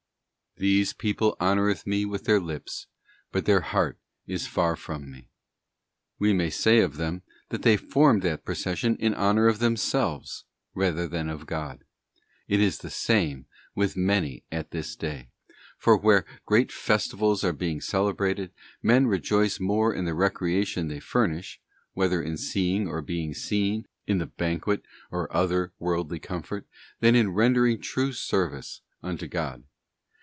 ' This people honoureth Me with their lips, but their heart is far from Me.'t We may say of them, that they formed that procession in honour of themselves rather than of God. It is the same with many at this day, for where great Festivals are being celebrated, men rejoice more in the recreation they furnish—whether in seeing or being seen, in the banquet or other worldly comfort—than in rendering true service unto God.